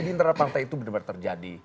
di nara pantai itu benar benar terjadi